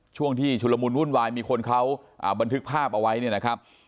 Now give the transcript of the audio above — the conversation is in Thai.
ช่วงที่ชุลมุนวุ่นวายมีคนเขาบันทึกภาพเอาไว้เนี่ยนะครับ